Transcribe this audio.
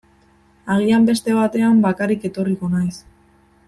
Agian beste batean bakarrik etorriko naiz.